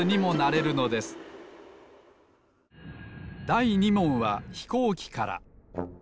だい２もんはひこうきから。